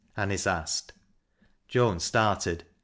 " Anice asked. Joan started.